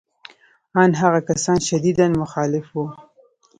ان هغه کسان شدیداً مخالف وو